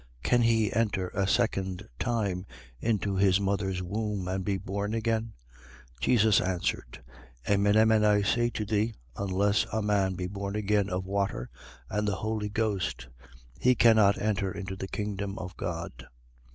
Can he enter a second time into his mother's womb and be born again? 3:5. Jesus answered: Amen, amen, I say to thee, unless a man be born again of water and the Holy Ghost, he cannot enter into the kingdom of God.